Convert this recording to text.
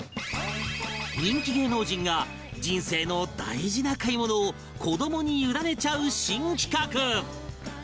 人気芸能人が人生の大事な買い物を子どもに委ねちゃう新企画